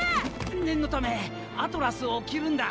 念のためアトラスを着るんだ！